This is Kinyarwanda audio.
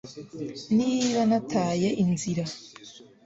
niba nataye inzira